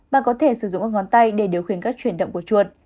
bạn có thể sử dụng các ngón tay để điều khiển các chuyển động của chuột